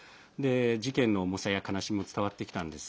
事件の重さや悲しみも伝わってきたんです。